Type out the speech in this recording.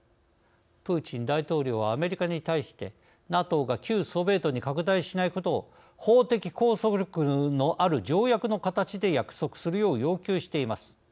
プーチン大統領はアメリカに対して、ＮＡＴＯが旧ソビエトに拡大しないことを法的拘束力のある条約の形で約束するよう要求しています。